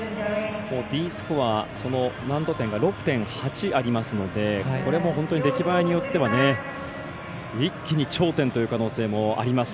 Ｄスコア難度点が６．８ありますのでこれも本当に出来栄えによっては一気に頂点という可能性もあります。